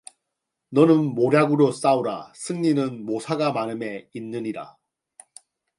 너는 모략으로 싸우라 승리는 모사가 많음에 있느니라